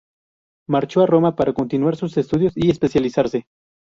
Marchó a Roma para continuar sus estudios y especializarse.